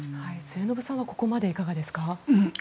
末延さんはここまでいかがですか？